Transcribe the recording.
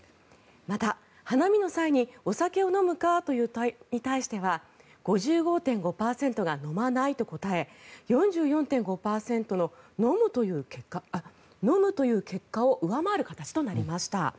また、花見の際にお酒を飲むかという問いに対しては５５．５％が飲まないと答え４４．５％の飲むという結果を上回る形となりました。